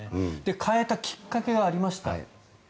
変えたきっかけがありました。